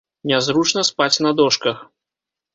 Нязручна спаць на дошках.